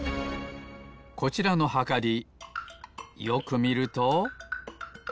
こちらのはかりよくみると。